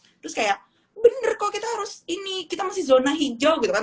terus kayak bener kok kita harus ini kita masih zona hijau gitu kan